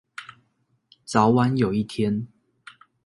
早晚有一天